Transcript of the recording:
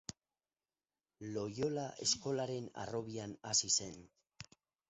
Loiola eskolaren harrobian hasi zen.